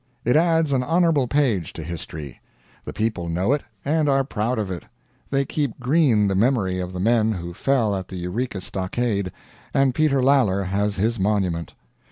It adds an honorable page to history; the people know it and are proud of it. They keep green the memory of the men who fell at the Eureka Stockade, and Peter Lalor has his monument.